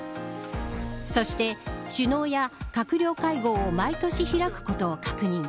そして、首脳や閣僚会合を毎年開くことを確認。